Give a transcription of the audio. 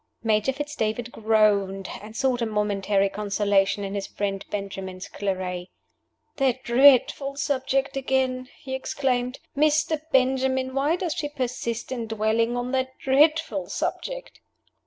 Major Fitz David groaned, and sought a momentary consolation in his friend Benjamin's claret. "That dreadful subject again!" he exclaimed. "Mr. Benjamin, why does she persist in dwelling on that dreadful subject?"